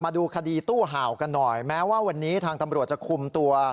มาดูคดีตู้ห่าวกันหน่อยแม้ว่าวันนี้ทางตำรวจจะคุมตัว